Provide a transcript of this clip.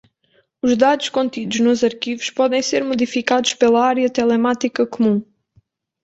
Os dados contidos nos arquivos podem ser modificados pela Área Telemática Comum.